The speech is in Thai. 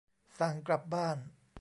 สั่งกลับบ้าน